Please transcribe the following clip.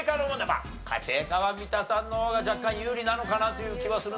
まあ家庭科は三田さんの方が若干有利なのかなという気はするんですが。